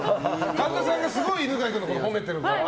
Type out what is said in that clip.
神田さんがすごい犬飼君のこと褒めてるから。